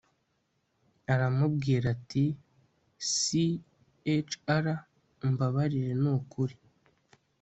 aramubwira ati chr umbabarire nukuri